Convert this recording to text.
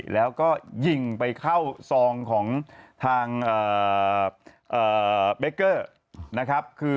แล้วก็ยิงไปเข้าซองของทางเบคเกอร์นะครับ